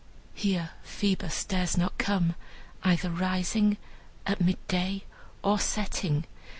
Here Phoebus dares not come, either rising, at midday, or setting.